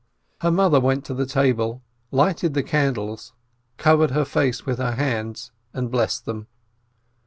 Her mother went to the table, lighted the candles, covered her face with her hands, and blessed them.